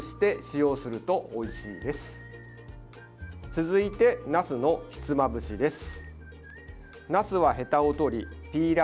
続いて、なすのひつまぶしです。